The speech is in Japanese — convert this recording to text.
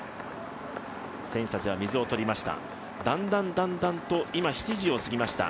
選手たちが水を取りました。